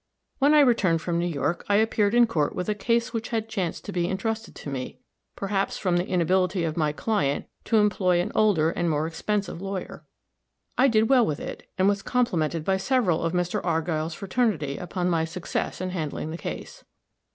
When I returned from New York, I appeared in court with a case which had chanced to be intrusted to me, perhaps from the inability of my client to employ an older and more expensive lawyer. I did well with it, and was complimented by several of Mr. Argyll's fraternity upon my success in handling the case.